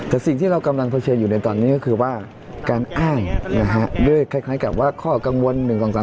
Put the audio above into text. แต่สิ่งที่เรากำลังเผชิญอยู่ในตอนนี้ก็คือว่าการอ้างด้วยคล้ายกับว่าข้อกังวล๑๒๓